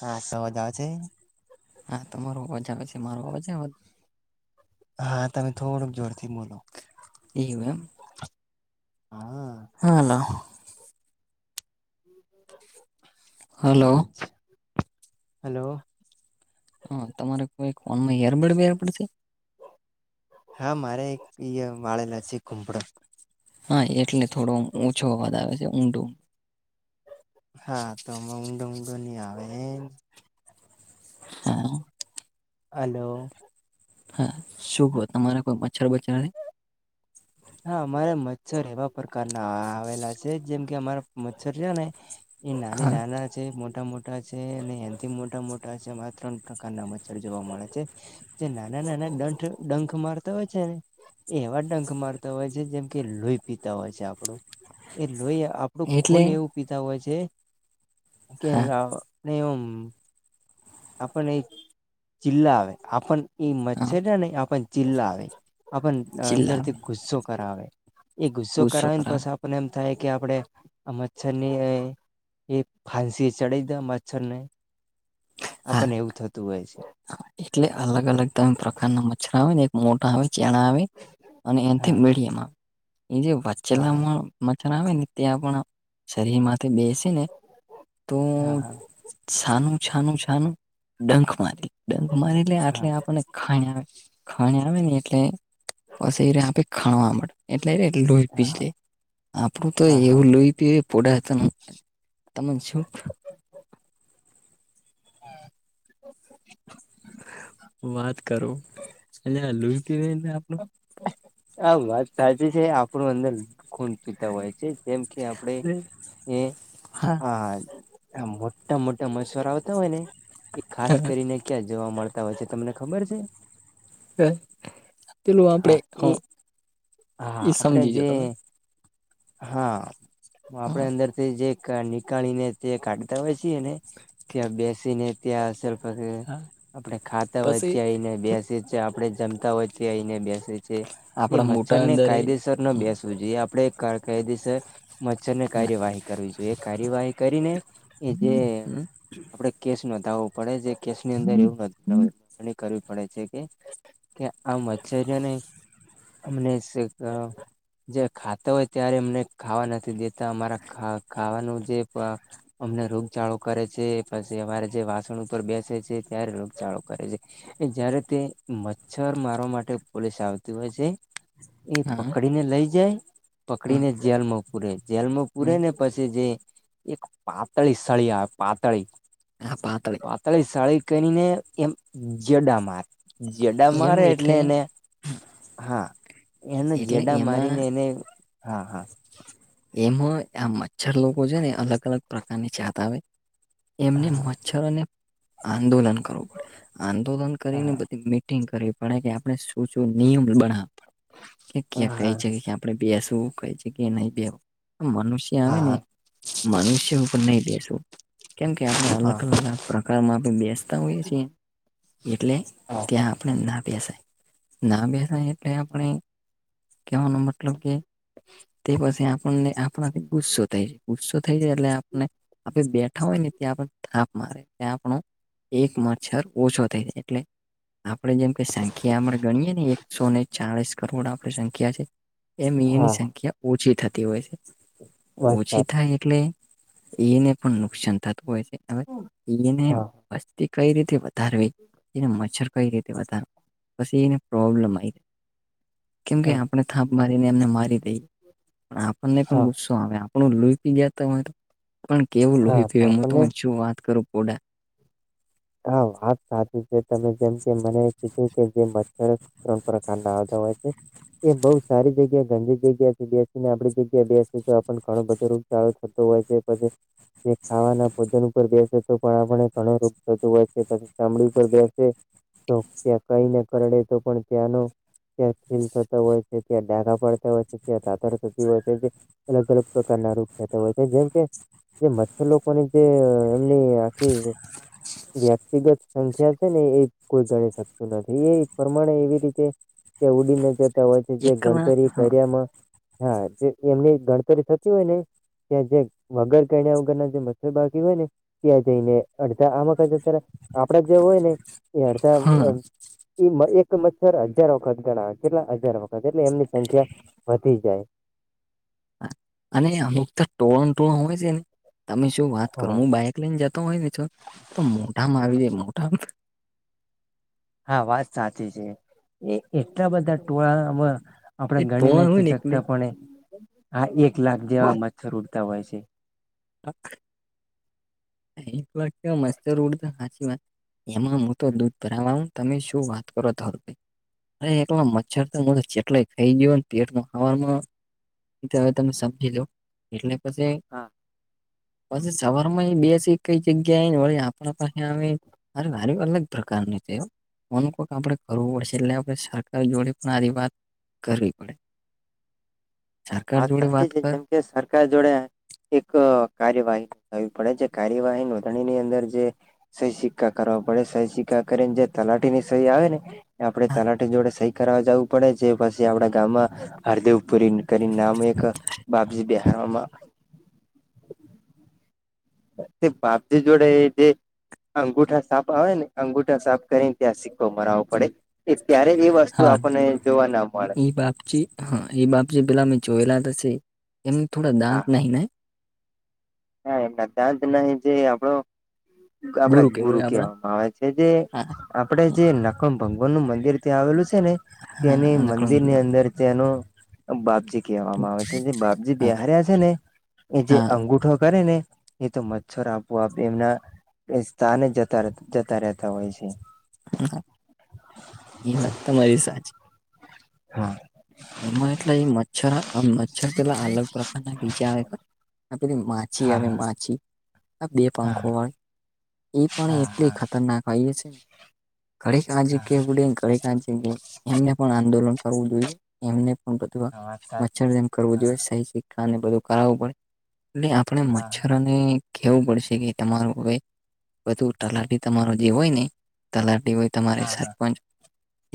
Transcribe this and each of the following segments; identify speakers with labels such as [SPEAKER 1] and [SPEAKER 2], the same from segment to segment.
[SPEAKER 1] હા સમજ આવે છે?
[SPEAKER 2] હા તમારો અવાજ આવે છે મારો અવાજ
[SPEAKER 1] હા તમે થોડુંક જોરથી બોલો.
[SPEAKER 2] એવુ એમ.
[SPEAKER 1] હા
[SPEAKER 2] હા હલો. Hello
[SPEAKER 1] hello.
[SPEAKER 2] હા તમારે કોઈ ફોનમાં ઇયરબડ બિયરબડ પડશે?
[SPEAKER 1] હા મારે એક વાળેલા છે ઘૂપડો.
[SPEAKER 2] હા એટલે થોડો ઓછો અવાજ આવે છે ઊંડું.
[SPEAKER 1] હા તો હમાં ઊંડો ઊંડો નહી આવે એમ.
[SPEAKER 2] હા.
[SPEAKER 1] હલો.
[SPEAKER 2] હા શું ક તમારે કોઈ મચ્છર બચ્ર નથી?
[SPEAKER 1] હા અમારે મચ્છર એવા પ્રકારના આવેલા છે જેમ કે અમારા મચ્છર છે ને. એ નાની
[SPEAKER 2] હા
[SPEAKER 1] નાના મોટા મોટા છે અને હેથી મોટા મોટા છે ત્રણ પ્રકારના મચ્છર જોવા મળે છે. જે નાના નાના ડંઠ ડંખ મારતા હોય છે ને, એવા ડંખ મારતા હોય છે જેમ કે લોહી પીતા હોય છે આપણું, એ લોહી આપણું
[SPEAKER 2] એટલે
[SPEAKER 1] ખૂન એવું પીતા હોય છે, કેને
[SPEAKER 2] હા
[SPEAKER 1] એમ. આપણ એ જિલ્લા આવે આપણ એ
[SPEAKER 2] હા
[SPEAKER 1] મચ્છરને આપણ જિલ્લા આવે. આપણ
[SPEAKER 2] ચિલ્લાવે
[SPEAKER 1] અંદરથી ગુસ્સો કરાવે, એ ગુસ્સો કરાવીને પછે પણ એમ થાય કે આપણે આ મચ્છર ની એ ફાંસી ચડે દ મચ્છરને.
[SPEAKER 2] હા
[SPEAKER 1] આપણ એવું થતું હોય છે.
[SPEAKER 2] એટલે અલગ અલગ તમે પ્રકારના મચ્છરા આવે ને એક મોટા આવે ચેણા આવે. અને એનથી
[SPEAKER 1] હા
[SPEAKER 2] મીડિયમ આવે, એ જે
[SPEAKER 1] હા
[SPEAKER 2] વાચેલામાં મચ્છરા આવે ને ત્યાં પણ શરીર માંથી બેસે ને તો
[SPEAKER 1] હા હા હા
[SPEAKER 2] છાનું છાનું છાનું ડંખ મારી ડંખ મારી એટલે
[SPEAKER 1] હા
[SPEAKER 2] આટલે આપણને ખાણી આવે ખાણી આવે ને એટલે પસને આપે ખાણવા મળે. એટલે લોહી
[SPEAKER 1] હા
[SPEAKER 2] પી
[SPEAKER 1] હા
[SPEAKER 2] લે, આપડું તો
[SPEAKER 1] હા હા
[SPEAKER 2] એવું લોહી પ [unintelligible] વાત કરો, અ લુઈ પીવાને આપનું.
[SPEAKER 1] આ વાત સાચી છે આપણું અંદર ખૂન પીતા હોય છે. જેમ કે આપડે એ
[SPEAKER 2] હા
[SPEAKER 1] આ મોટા મોટા મચ્છર આવતા હોય ને, એ ખાસ કરીને ક્યાં જોવા મળતા હોય છે તમને ખબર છે?
[SPEAKER 2] પેલું આપડે
[SPEAKER 1] હા
[SPEAKER 2] હ
[SPEAKER 1] એ હા
[SPEAKER 2] એ
[SPEAKER 1] આપણે
[SPEAKER 2] સમજીજ
[SPEAKER 1] જે
[SPEAKER 2] તમે.
[SPEAKER 1] હા
[SPEAKER 2] હ
[SPEAKER 1] આપણે અંદરથી જે નીકાળીને તે કાઢી બતાય છીને, ત્યાં બેસીને ત્યાં અર
[SPEAKER 2] હા
[SPEAKER 1] આપણે ખાતા હોય
[SPEAKER 2] પછી
[SPEAKER 1] તયને બેસી છે આપણે જમતા હોય છેને બેસી છે, એ
[SPEAKER 2] આપડા
[SPEAKER 1] મચ્છર
[SPEAKER 2] મોટા
[SPEAKER 1] ને
[SPEAKER 2] અંદર
[SPEAKER 1] કાયદેસર નો બેસવું જોઈએ આપણે કાયદેસર. મચ્છર ને
[SPEAKER 2] ના
[SPEAKER 1] કાર્યવાહી કરવી જોઈએ કાર્યવાહી કરીને, એ જે
[SPEAKER 2] હા
[SPEAKER 1] આપડે કેસ નોંધાવવું પડે છે કેસ ની અંદર એવું નોણી કરવી પડે છે. કે આ મચ્છરઓને અમને જે ખાતા હોય ત્યારે અમને ખાવા નથી દેતા. અમારા ખાવાનું જે અમને રોગચાળો કરે છે. પછી અમારે જે વાસણ ઉપર બેસે છે ત્યારે રોગચાળો કરે છે, એ જયારે તે મચ્છર મારવા માટે પોલીસ આવતી હોય છે. એ
[SPEAKER 2] હા
[SPEAKER 1] પકડી ને લઈ જાય પકડી ને જેલમાં પૂરે જેલ માં પૂરે
[SPEAKER 2] હા
[SPEAKER 1] ને પછી જે, એક પાતળી સળી આવે પાતળી.
[SPEAKER 2] હા પાતાળી.
[SPEAKER 1] પાતાળી સાળી કરીને એમ જડા મારે. જડા મારે એટલે એને હા એના
[SPEAKER 2] એટલે
[SPEAKER 1] જેડા
[SPEAKER 2] એમાં
[SPEAKER 1] મારીને એને હા હા.
[SPEAKER 2] એમાં આ મચ્છર લોકો છે ને અલગ અલગ પ્રકારની છાત આવે એમને
[SPEAKER 1] હા
[SPEAKER 2] મચછને આંદોલન કરવું પડે આંદોલન કરીને
[SPEAKER 1] હા
[SPEAKER 2] બધ પડે આપ શ નિયમ ક્યા
[SPEAKER 1] હા
[SPEAKER 2] ક છે. આપણે બેસવું કઈ જગ્યા નહી બેવું મનુષ્ય આવે ને
[SPEAKER 1] હા
[SPEAKER 2] મનુષ્ય ઉપર નહી બેસવું કેમ કે આપણે
[SPEAKER 1] હા
[SPEAKER 2] અલગ અલગ પ્રકારમાં આપણે બેસતા હોઈએ છીએ એટલે
[SPEAKER 1] હા
[SPEAKER 2] ત્યાં આપણે ના બેસાય ના બેસાય એટલે આપણે કવાનો મતલબ કે તે પાસે આપ આપણને આપણાથી ગુસ્સો થાય છે ગુસ્સો થાય છેાય એટલે આપણને આપે બે ઉઠ હોય ને ત્યાં થાપ મારે ત્યા આપણો એક મચ્છર ઓછો થઈ જાય એટલે આપડણે જેમ કે સંખ્યા આપણે ગણીએ ને એકસો ને ચાલીસ કરોડ આપણી સંખ્યા છે એમની
[SPEAKER 1] હા
[SPEAKER 2] સંખ્યા ઓછી થતી હોય છે
[SPEAKER 1] બસ
[SPEAKER 2] ઓછી
[SPEAKER 1] સાચું
[SPEAKER 2] થાય એટલે એને પણ નુકસાન થતું હોય છે હ એને
[SPEAKER 1] હા
[SPEAKER 2] તે કઈ રીતે વધારવી તેને મચ્છર કઈ રીતે વધાર પછી એને પ્રોબ્લેમ આવી જાય કેમ કે
[SPEAKER 1] હા
[SPEAKER 2] આપણે થાપ મારીને એમને મારી દઈએ. પણ આપણને પણ
[SPEAKER 1] હા
[SPEAKER 2] ગુસ્શો આપણું લઈ પી ગયા ત હોય તો પણ કેવું
[SPEAKER 1] હા
[SPEAKER 2] લોહી થ હું
[SPEAKER 1] આપણને
[SPEAKER 2] તને શું વાત કરું પોડા
[SPEAKER 1] હા વાત સાચી છે તમે જેમ કે મને કીધું કે જે મચ્છર ત્રણપુરા ખાંડા આવતા હોય છે. એ બહુ સારી જગ્યા ગંજી જગ્યા છે બેસીને આપણી જગ્યા બેસી તો આપ ઘણો બધો લ થતો હોય છે પછી ખાવાના ભોજન ઉપર બેસે તો પણ આપ ઘ વેછી ચામડી પર બેસે તો ત્યાં કહીને કરડે તો પણ ત્યાંનો ત્યા ખીમ થતો હોય છે ત્યાં ડાખા પડતા હોય છે ત્યાં તાતર થતી હોય છે. અલગ અલગ પ્રકારના રોગ થતા હોય છે જેમ કે જે મચ્છર લોકોની જે એમની આખી વ્યક્તિગત સંખ્યા છે ને એ કોઈ ગણી શકતું નથી એ પ્રમાણે એવી રીતે તે ઉડીને જતા હોય છે જે
[SPEAKER 2] એકલા
[SPEAKER 1] ગણતરી કર્યામાં હા જે એમની ગણતરી થતી હોય ને ત્યાં જે વગર કણ્યા વગર ના જે મચ્છર બાકી હોય ને ત્યાં જઈને આમાં ક અત્યારે આપણા જે હોય ને એ હડતા
[SPEAKER 2] હા
[SPEAKER 1] એ એક મચ્છર હજાર વખત ગણાવ કેટલા હજાર વખત એટલે એમની સંખ્યા વધી જાય
[SPEAKER 2] અને અમુક તો ટોળણ ટોળણ હોય છે ને તમે શું વાત કર
[SPEAKER 1] હા
[SPEAKER 2] હું બાાયક ઈને જતો હોય ને તો મોઢામાં આવી જાય મોઢામાં
[SPEAKER 1] હા વાત સાચી છે. એ એટલા બધા ટોળામાં
[SPEAKER 2] એ
[SPEAKER 1] આપણેે ગણી
[SPEAKER 2] ટોળણ હોય
[SPEAKER 1] નથી
[SPEAKER 2] ને એકલી
[SPEAKER 1] શકતા પણ એ હા એક લાખ જેવા મચ્છર ઉડતા હોય છે.
[SPEAKER 2] [inaudible] એક વાખ મચ્ચર ઉડતા હચ વાત એમાં હું તો
[SPEAKER 1] હમ,
[SPEAKER 2] દૂધ બરા હું તમે શું વાત કરો તભાઈ અરે એકલા
[SPEAKER 1] હા
[SPEAKER 2] મચ્છર તો જેટલા ખાઈ ગયો પેટમાં હવાર હવે તમે સમજી લો એટલે પછી પછી સવારમાં બે પી કઈ જગ્યા એને વળી આપણા પાસે આવે મારે મારી અલગ પ્રકારની છે. અનુ કોક આપણે કરવું પડશે એટલે આપણે સરકાર જોડે પણ આ ર વાત કરવી પડે
[SPEAKER 1] [inaudible]
[SPEAKER 2] સરકાર જોડે
[SPEAKER 1] સાચી
[SPEAKER 2] વાત
[SPEAKER 1] છે
[SPEAKER 2] કર
[SPEAKER 1] જેમ કે સરકાર જોડે એક કાર્યવાહી નો થવી પડે જે કાર્યવાહી નોંધણીની અંદર જે સહી સિક્કા કરવા પડે સહી સિક્કા કરીને જે તલાટી ની સહી આવે ને આપણે તલાટી જોડે સહી કરવા જવું પડે છે, પછી આપડા ગામમાં હરદેવ પુરી કરીને નામ અ એક બાપજી બહારમાં તે બાપજી જોડે જે અંગુઠા સાફ આવે ને અંગુઠા સાફ કરીને ત્યાં સિક્કો મરવો પડે. એ ત્યારે એ વસ્તુ આપણને જોવા ના મળે.
[SPEAKER 2] એ બાપજી હા એ બાપજી પેલા અમે જોયેલા થશે એમને થોડા દાંત નહીને?
[SPEAKER 1] હ એના દાંત નહીં [unintelligible] આપડે ગુરુ
[SPEAKER 2] કહેવાય આપડા
[SPEAKER 1] કેહેવામાં આવે છે જે
[SPEAKER 2] હા
[SPEAKER 1] આપણેે જે ભગવાન નું મંદિર ત્યાં આવેલું છે ને તેની
[SPEAKER 2] હા નકળો
[SPEAKER 1] મંદિર
[SPEAKER 2] ગુરુ
[SPEAKER 1] ની અંદર ત્યાંનું બાપજી કહેવામાં આવે છે જે બાપજી
[SPEAKER 2] હા
[SPEAKER 1] બિહાર્યા છે ને એ જે
[SPEAKER 2] હા
[SPEAKER 1] અંગુઠો કરે ને એ તો મચ્છર આપું આપે એમના એ સ્થાને જ જતા જતા રહેતા હોય છે.
[SPEAKER 2] હા એ વાત તમારી સાચી.
[SPEAKER 1] હા.
[SPEAKER 2] એમાં એટલે મચ્છર મચ્છર પેલા અલગ પ્રકારના બીજા આવે પે માછી
[SPEAKER 1] હા
[SPEAKER 2] આવે
[SPEAKER 1] હા
[SPEAKER 2] માછી આ બે
[SPEAKER 1] હા
[SPEAKER 2] પંખો હોય એ પણ
[SPEAKER 1] હા
[SPEAKER 2] એટલી
[SPEAKER 1] હા
[SPEAKER 2] ખતરનાક હો છે ઘડીક આજ
[SPEAKER 1] હા
[SPEAKER 2] કે ઉડેને ઘડીક છે એમને પણ આંદોલન કરવું જોઈએ. એમને પણ બધું
[SPEAKER 1] હા વાત સાચી
[SPEAKER 2] મચ્છર જેમ કરવું જોઈએ સહી શીખને બધું કરાવવું પડે એટ આપણે
[SPEAKER 1] હા હા
[SPEAKER 2] મચ્છરોને કેવું પડશે કે તમારું હવે બધું તલાટી તમારું જે હોય ને તલાટી હોય તમારે
[SPEAKER 1] હા હા હા હા
[SPEAKER 2] સરપંચ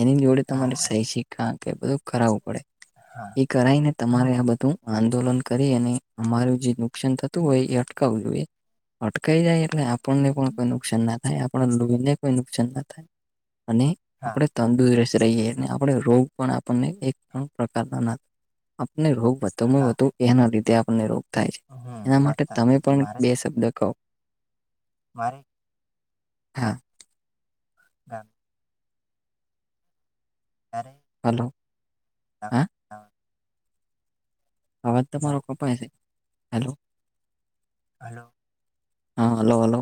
[SPEAKER 2] એની જોડે તમારે સહી શિકા કે બધું કરાવવું પડે. એ કરાઈને તમારે
[SPEAKER 1] હા
[SPEAKER 2] આ બધું આંદોલન કરી અને અમારું જેવું નુકસાન થતું હોય એ અટકાવું જોઈએ અટકી જાય એટલે આપણને પણ કોઈ નુકસાન ના થાય આપડે લોહીને કોઈ નુકસાન ના થાય અને
[SPEAKER 1] હા હા
[SPEAKER 2] આપણે તંદુરસ્ત રહીએ આપણે રોગ પણ આપણને એક પ્રકારના આપને રોગ વધુમાં
[SPEAKER 1] હા
[SPEAKER 2] વધુ એના લીધે આપને રોગ થાય છે
[SPEAKER 1] હમ
[SPEAKER 2] એના
[SPEAKER 1] વાત
[SPEAKER 2] માટે તમે
[SPEAKER 1] સાચી છે
[SPEAKER 2] પણ
[SPEAKER 1] મારે
[SPEAKER 2] બે શબ્દ કો. હા
[SPEAKER 1] [inaudible] [inaudible]
[SPEAKER 2] હલો.
[SPEAKER 1] હા હા.
[SPEAKER 2] અવાજ તમારો કપાય છે હેલો.
[SPEAKER 1] હલો
[SPEAKER 2] હા હલો હલો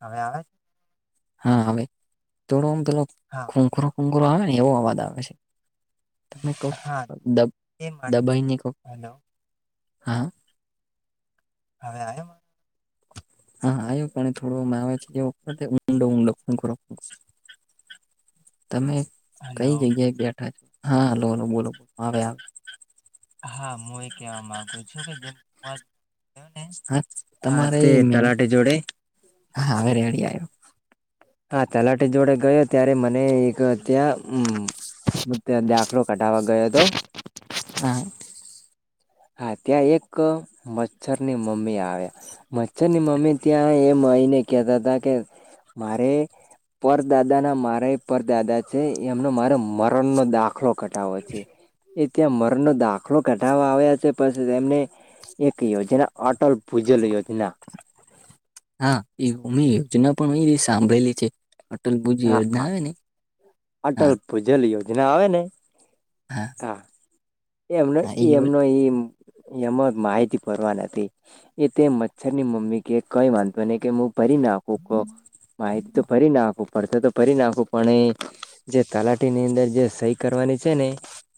[SPEAKER 1] હવે આવે?
[SPEAKER 2] હા હવે તોડો આમ પેલો
[SPEAKER 1] હા
[SPEAKER 2] ખૂંખુરો ખૂંખુરો આવે ને એવો અવાજ આવે છે. તમે કોક
[SPEAKER 1] હા
[SPEAKER 2] દ
[SPEAKER 1] એ માટે
[SPEAKER 2] દબાઈની કો
[SPEAKER 1] હલો
[SPEAKER 2] હા.
[SPEAKER 1] હવે આયો?
[SPEAKER 2] હા આવ્યો પણ થોડો આવે છે ઊંડો ઊંડો [unintelligible] તમે
[SPEAKER 1] હલો
[SPEAKER 2] કઈ જગ્યાએ બેઠા છો હા લોલો બોલો બોલો આવે આવે
[SPEAKER 1] હા હું એ કેહેવા માગુ છું કે જેમ કેને
[SPEAKER 2] હા
[SPEAKER 1] હા
[SPEAKER 2] તમારે
[SPEAKER 1] તે
[SPEAKER 2] મેં
[SPEAKER 1] તલાટી જોડે
[SPEAKER 2] હા હવે રેડી આવ્યો.
[SPEAKER 1] હા તલાટી જોડે ગયો ત્યારે મને એક અ ત્યાં હમ હ ત્યા દાખલો કઢાવા ગયો હતો.
[SPEAKER 2] હા.
[SPEAKER 1] હા ત્યાં એક મચ્છરની મમ્મી આવ્યા મચ્છર ની મમ્મી ત્યાં એ માયને કેતા હતા કે મારે પરદાદા ના મારે પરદાદા છે એમનો મારે મરણનો કઢાવો છે. એ ત્યાં મરણનો દાખલો ઘઢાવા આવ્યા આસે પાસે એને એક યોજના અટલ ભૂજલ યોજના
[SPEAKER 2] હા એમી યોજના પણ અ સાંભળેલી છે અટલ ભુજી યોજના
[SPEAKER 1] હા
[SPEAKER 2] આવે ને
[SPEAKER 1] અટલ
[SPEAKER 2] હા
[SPEAKER 1] ભૂજલ યોજના આવે ને
[SPEAKER 2] હા
[SPEAKER 1] એમનો
[SPEAKER 2] હા એ યોજ
[SPEAKER 1] એમનો એ એમાં માહિતી ફરવા નથી એ તે મચ્છર ની મમ્મી કે કઈ વાંધતો નને કે હું ભરી નાખું ક માહિતી તો ફરી નાખું પડથ તો ફરી નાખું પણ એ જે તલાટી ની અંદર જે સહી કરવાની છે ને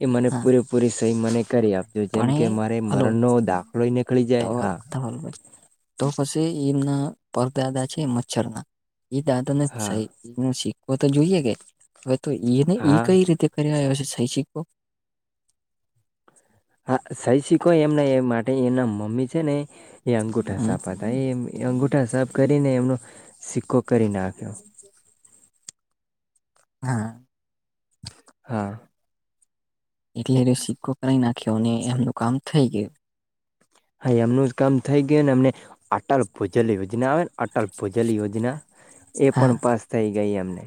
[SPEAKER 1] એ મને
[SPEAKER 2] હા
[SPEAKER 1] પૂરેપૂરી સહી મને કરી આપિયો
[SPEAKER 2] પણ
[SPEAKER 1] જેમકે
[SPEAKER 2] એ
[SPEAKER 1] મારે
[SPEAKER 2] હલો
[SPEAKER 1] મરણ નો દા લઈ ની કાળી જાય હા
[SPEAKER 2] [unintelligible] તો પછી એમના પરદાદા છે મચ્છર ના એ દાદા ને જ
[SPEAKER 1] હા
[SPEAKER 2] છે એ ન શીખવો તો જોઈએ કે હવે તો ને ઈ
[SPEAKER 1] હા
[SPEAKER 2] કઈ રીતે કર્યા હશે સઈ સિકો
[SPEAKER 1] હા સહી શીખો એમ એ માટે એમના મમ્મી છે ને એ અંગુઠા
[SPEAKER 2] હમ
[SPEAKER 1] સાપ હતા ભ એમ અંગુઠા સાપ કરીને એમનો સિક્કો કરી નાખ્યો [inaudible]
[SPEAKER 2] હા
[SPEAKER 1] હા
[SPEAKER 2] એટલે સિક્કો કડાઈ નાખ્યોને એમનું કામ થઈ ગયું
[SPEAKER 1] હા એમનું જ કામ થઈ ગયું ને અમને અટલ ભૂજલ યોજના આવે ને અટલ ભૂજલ યોજના એ
[SPEAKER 2] હા
[SPEAKER 1] પણ પાસ થઇ ગઈ એમને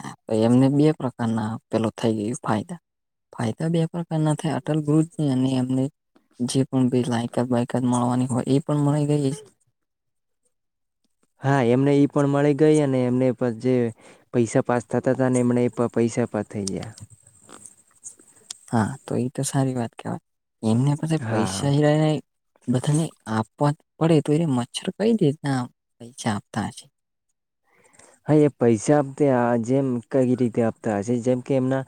[SPEAKER 2] હા એમને બે [unintelligible] પેલો થઈ ગય ફાયદા ફાયદા બે પ્રકાર ના થાય અટલ ગરુજ અને એમને જે પણ બે લાયકાત બાાયકાત મળવાની હોય એ પણ મળી ગઈ
[SPEAKER 1] હા એમને ઈ પણ મળી ગઈ અને એમને પ જે પૈસા પાસ થતા ત ને એમણે એ પૈસા પણ થઈ ગયા
[SPEAKER 2] હા તો એ તો સારી વાત કેવાય એમને પાસે પૈસા
[SPEAKER 1] હા
[SPEAKER 2] [unintelligible] બધાને આપવા પડે તો એને મચ્છર કઈ રીતના પૈસા આપતા હશે
[SPEAKER 1] હા એ પૈસા આપતા જેમ કઈ રીતે આપતા હ સે જેમ કે એમના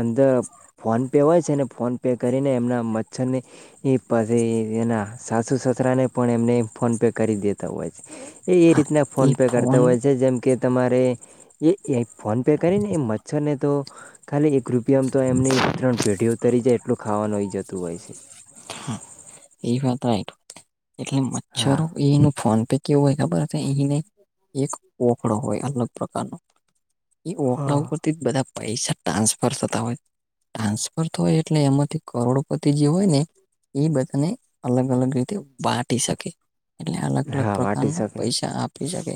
[SPEAKER 1] અંદર ફોન પે હોય છે ને ફોન પે કરીને એમના મચ્છરની એ પાછી એના સાસુ સસરાને પણ એમને ફોન પે કરી દેતા હોય છે એ એ રીતના ફોન પે કરતા હોય છે જેમ કે તમારે એ એ ફોન પે કરીને એ મચ્છર ને તો ખાલી એક રૂપિયામાં તો એમની ત્રણ પેઢી ઉ તરી જાય એટલું ખાવાનું જતું હોય છે
[SPEAKER 2] હા એ વાત રાઈટ એટલે
[SPEAKER 1] હા
[SPEAKER 2] મચ્છરો એનું ફોન પે કેવું હોય ખબર અહીંને એક વફડો હોય અલગ પ્રકારનો એ ઓકળા ઉપરથી બધા પૈસા ટ્રાન્સફર થતા હોય ટ્રાન્સફર થ હોય એટલે એમાંથી કરોડપતિ જે હોય ને એ બધાને અલગ અલગ રીતે વાટી શકે એટલે અલગ અલગ
[SPEAKER 1] હા વાટી
[SPEAKER 2] પ્રકારના
[SPEAKER 1] શકે
[SPEAKER 2] પૈસા આપી શકે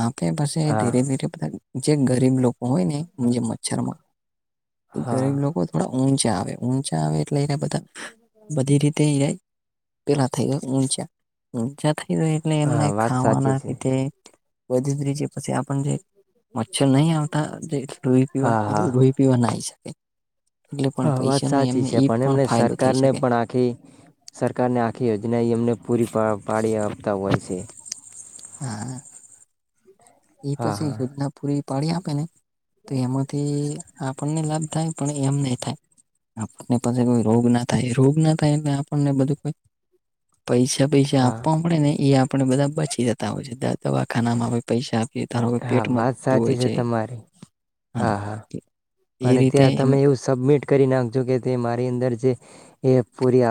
[SPEAKER 2] આપે પછ
[SPEAKER 1] હા
[SPEAKER 2] ધીરે ધીરે બધા જે ગરીબ લોકો હોય ને જે મચ્છર માં એ
[SPEAKER 1] હા
[SPEAKER 2] ગરીબ લોકો થડા ઊંચા આવે ઊંચા આવે એટલે એને બધા બધી રીતે જાય પેલા થઈ ગયો મુઊચ્યા મુઊચ થ ગ એ એમને
[SPEAKER 1] હા વાત સાચી
[SPEAKER 2] ખાવાના
[SPEAKER 1] છે
[SPEAKER 2] રીધ વધી પછી આપ જે મચ્છર નહીં આવતા જે લોહી પીવા
[SPEAKER 1] હા
[SPEAKER 2] એ
[SPEAKER 1] હા
[SPEAKER 2] લોહી પીવા નાય છે એટલે પણ
[SPEAKER 1] હા વાત
[SPEAKER 2] પૈસા ન
[SPEAKER 1] સાચી
[SPEAKER 2] એમને
[SPEAKER 1] છે
[SPEAKER 2] એ પણ
[SPEAKER 1] એમને
[SPEAKER 2] ફાયદો થઈ
[SPEAKER 1] સરકારને
[SPEAKER 2] શકે.
[SPEAKER 1] પણ આખી સરકારને આખી યોજના એ અમને પૂરી પા પાડી આપતા હોય છે.
[SPEAKER 2] હા. એ
[SPEAKER 1] હા
[SPEAKER 2] પછી
[SPEAKER 1] હા
[SPEAKER 2] યોજના પૂરી પાડી આપેને તો એમાંથી આપણને લાભ થાય પણ એમ નઈ થાય. આપણને પાસે કોઈ રોગના થાય રોગના થાય એટલે આપણને બધું કો પૈસા પૈસા
[SPEAKER 1] હા
[SPEAKER 2] આપવા પડેને એ આપ પણ બધા બચી જતા હોય છે, દવાખાનામાં પૈસા આપીએ ધારો કે
[SPEAKER 1] હા,
[SPEAKER 2] પેટમાં
[SPEAKER 1] વાત
[SPEAKER 2] દુખતું હોય
[SPEAKER 1] સાચી છે તમારી. હા હા,
[SPEAKER 2] એ
[SPEAKER 1] પણ
[SPEAKER 2] રીતે
[SPEAKER 1] ત્યાં
[SPEAKER 2] એમ
[SPEAKER 1] તમે એવું સબમિટ કરી નાખજો કે તે મારી અંદર જે એ પૂરી આપ